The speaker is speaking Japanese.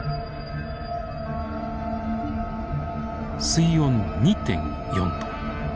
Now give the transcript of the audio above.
水温２．４度。